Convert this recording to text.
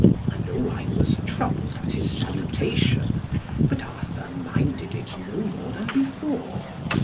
And Owain was troubled at his salutation, but Arthur minded it no more than before.